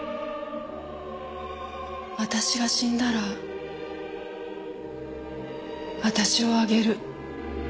私が死んだら私をあげる。